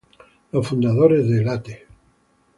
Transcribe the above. Los fundadores de Late!